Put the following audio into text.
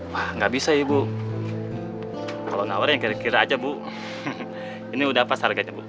wah nggak bisa ya bu kalau nawarnya kira kira aja bu ini udah apa harganya bu